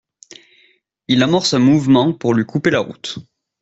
Il amorce un mouvement pour lui couper la route.